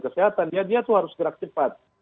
kesehatan ya dia tuh harus gerak cepat